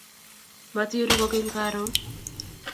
Matiruu kokeny karon